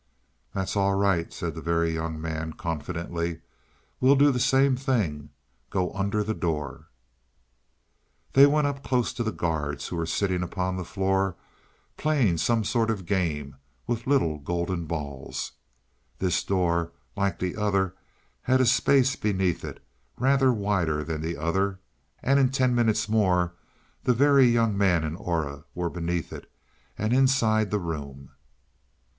"That's all right," said the Very Young Man confidently. "We'll do the same thing go under the door." They went close up to the guards, who were sitting upon the floor playing some sort of a game with little golden balls. This door, like the other, had a space beneath it, rather wider than the other, and in ten minutes more the Very Young Man and Aura were beneath it, and inside the room.